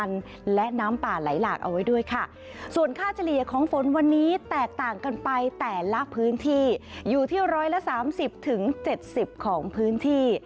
ที่๑๓๐ถึง๗๐ของพื้นที่